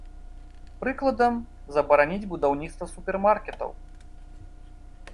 Прыкладам, забараніць будаўніцтва супермаркетаў.